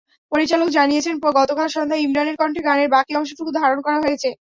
পরিচালক জানিয়েছেন, গতকাল সন্ধ্যায় ইমরানের কন্ঠে গানের বাকি অংশটুকু ধারণ করা হয়েছে।